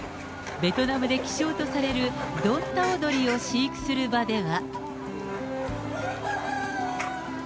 ベトナムで希少とされる、ドンタオ鶏を飼育する場では。